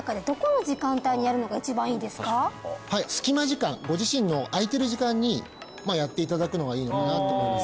隙間時間ご自身の空いてる時間にやっていただくのがいいのかなと思います